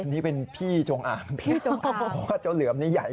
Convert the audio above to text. อันนี้เป็นพี่จงอ่างเผาเหลืำนี้ยาว